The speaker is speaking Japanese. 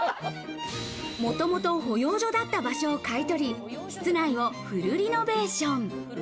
もともと保養所だった場所を買取り、室内をフルリノベーション。